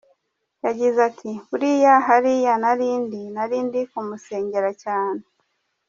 Yagize ati “Buriya hariya nari ndi, nari ndi kumusengera cyane.